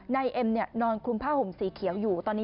นายเอ็มนอนคลุมผ้าหงสีเขียวอยู่